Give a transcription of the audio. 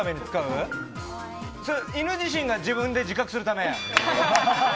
犬自身が自分で自覚するため。